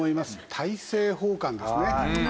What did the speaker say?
大政奉還ですね。